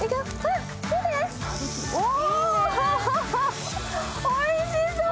お、おいしそうー！